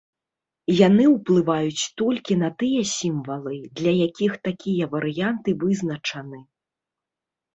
Яны ўплываюць толькі на тыя сімвалы, для якіх такія варыянты вызначаны.